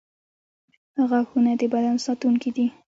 • غاښونه د بدن ساتونکي دي.